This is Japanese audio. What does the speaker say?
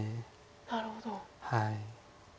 なるほど。